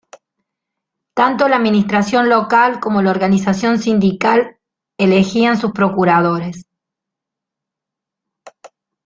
Tanto la Administración Local como la Organización Sindical elegían sus procuradores.